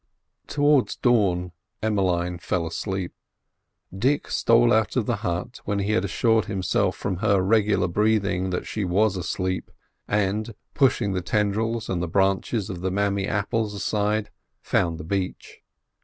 Towards dawn Emmeline fell asleep. Dick stole out of the hut when he had assured himself from her regular breathing that she was asleep, and, pushing the tendrils and the branches of the mammee apples aside, found the beach.